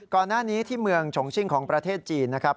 ก่อนหน้านี้ที่เมืองชงชิ่งของประเทศจีนนะครับ